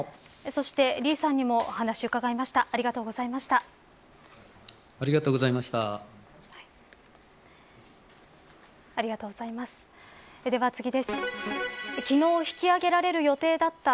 そして、李さんにもお話を伺いました。